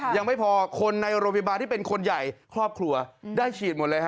ยังไม่พอคนในโรงพยาบาลที่เป็นคนใหญ่ครอบครัวได้ฉีดหมดเลยฮะ